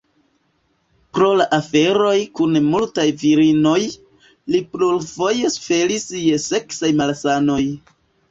Pro la aferoj kun multaj virinoj, li plurfoje suferis je seksaj malsanoj.